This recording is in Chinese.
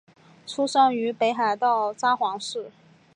出生于北海道札幌市。